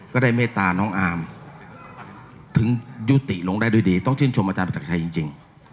เมตตาน้องอามถึงยุติลงได้ด้วยดีต้องชื่นชมอาจารย์ประจักรชัยจริง